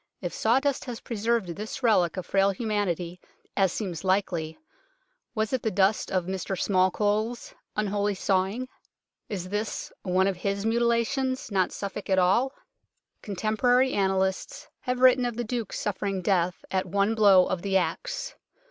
If sawdust has preserved this relic of frail humanity, as seems likely, was it the dust of "Mr Smallcole's " unholy sawing ? Is this one of his mutilations ? not Suffolk at i8 UNKNOWN LONDON all. Contemporary annalists have written of the Duke suffering death at one blow of the axe.